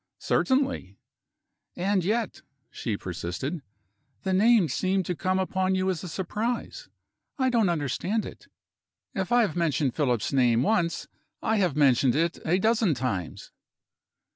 "Certainly!" "And yet," she persisted, "the name seemed to come upon you as a surprise. I don't understand it. If I have mentioned Philip's name once, I have mentioned it a dozen times."